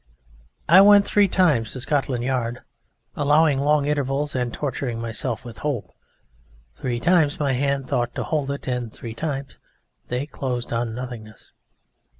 I went three times to Scotland Yard, allowing long intervals and torturing myself with hope. Three times my hands thought to hold it, and three times they closed on nothingness.